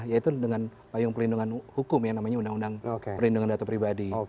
yaitu dengan payung perlindungan hukum yang namanya undang undang perlindungan data pribadi